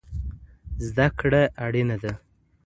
ذده کړه اړينه ده.